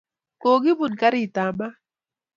Kokipun karit ap maat